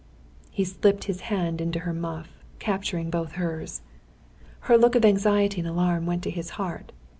He slipped his hand into her muff, capturing both hers. Her look of anxiety and alarm went to his heart.